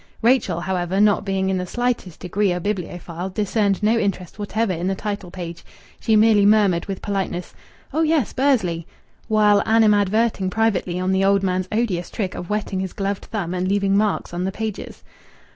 Rachel, however, not being in the slightest degree a bibliophile, discerned no interest whatever in the title page. She merely murmured with politeness, "Oh, yes! Bursley," while animadverting privately on the old man's odious trick of wetting his gloved thumb and leaving marks on the pages.